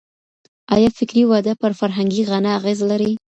آيا فکري وده پر فرهنګي غنا اغېز لري؟